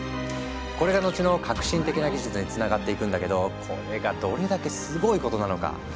これがのちの革新的な技術につながっていくんだけどこれがどれだけすごいことなのか。